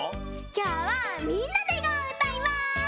きょうは「みんなでゴー！」をうたいます！